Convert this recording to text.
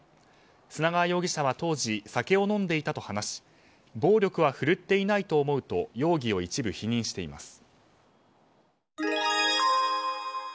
砂川容疑者は当時、酒を飲んでいたと話し暴力は振るっていないと思うと容疑を一部否認しています。